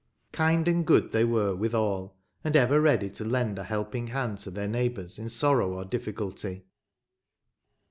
Kind and good they were withal, and ever ready to lend a helping hand to their neighbours in sorrow or difficulty.